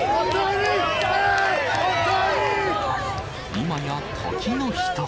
今や時の人。